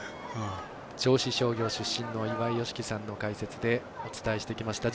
銚子商業出身の岩井美樹さんの解説でお伝えしてきました。